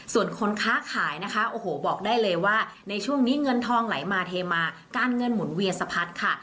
ส่วนคนค้าขายนะคะโอ้โหบอกได้เลยว่าในช่วงนี้เงินทองไหลมาเทมาการเงินหมุนเวียนสะพัดค่ะ